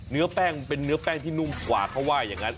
เนื้อแป้งเป็นเนื้อแป้งที่นุ่มกว่าเขาว่าอย่างนั้น